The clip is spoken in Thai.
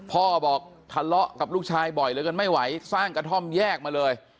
พ่อบอกทะเลาะกับลูกชายบ่อยเหลือเกินไม่ไหวสร้างกระท่อมแยกมาเลย